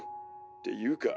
っていうか